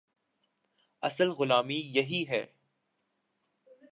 اصل غلامی یہی ہے۔